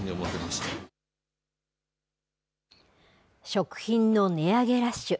食品の値上げラッシュ。